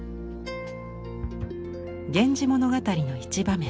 「源氏物語」の一場面